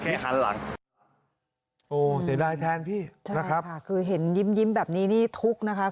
โอ้เสียดายแทนพี่นะครับคือเห็นยิ้มยิ้มแบบนี้นี่ทุกข์นะครับ